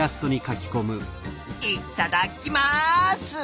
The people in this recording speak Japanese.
いっただっきます！